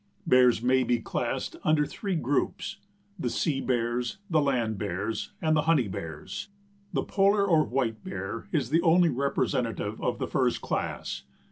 Bears may be classed under three groups; the Sea Bears, the Land Bears and the Honey Bears. The Polar or White Bear is the only representative of the first class.